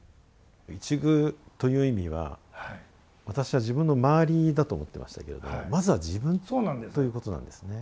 「一隅」という意味は私は自分の周りだと思ってましたけれどもまずは自分ということなんですね。